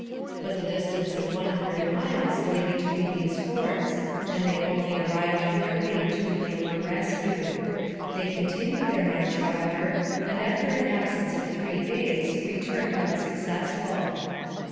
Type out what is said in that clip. But the distance of one hundred miles lay between these forts, and they only arrived on their way too late for rescue. They continued their march, however, and after an absence of three days returned unsuc cessful.